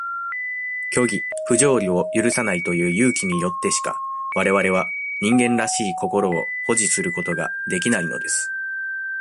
虚偽、不条理を許さないという勇気によってしか、我々は、人間らしい心を保持することができないのです。